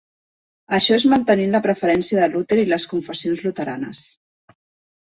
Això és mantenint la preferència de Luter i les confessions luteranes.